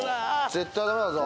絶対ダメだぞ。